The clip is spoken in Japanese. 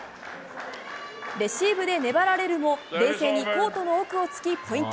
レシーブで粘られるも冷静にコートの奥を突きポイント。